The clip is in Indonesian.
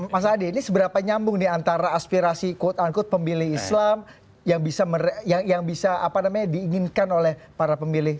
mas adi ini seberapa nyambung nih antara aspirasi quote unquote pemilih islam yang bisa diinginkan oleh para pemilih